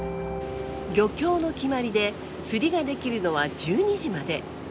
漁協の決まりで釣りができるのは１２時まで。